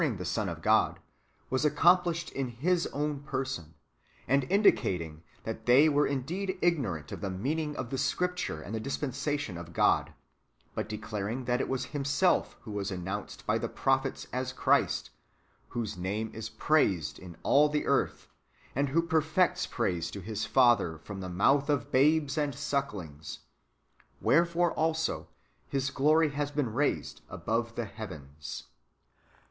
iog the Son of God, was accomplished in His own person ; and indicating that they were indeed ignorant of the meaning of the Scripture and the dispensation of God ; but declaring that it was Himself who was announced by the prophets as Christ, whose name is praised in all the earth, and w^ho perfects praise to His Father from the mouth of babes and sucklings ; wherefore also His glory has been raised above the heavens.